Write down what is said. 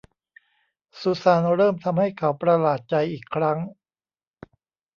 ซูซานเริ่มทำให้เขาประหลาดใจอีกครั้ง